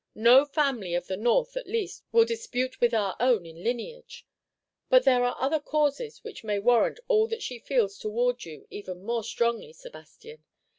"No family of the North, at least, will dispute with our own in lineage; but there are other causes which may warrant all that she feels towards you even more strongly, Sebastian.